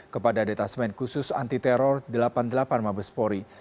kepada detasmen khusus anti teror delapan puluh delapan mabespori